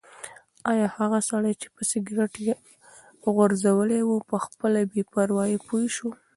ایا هغه سړی چې سګرټ یې غورځولی و په خپله بې پروايي پوه شو؟